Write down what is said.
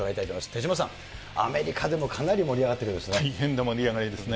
手嶋さん、アメリカでもかなり盛り上がっているようですね。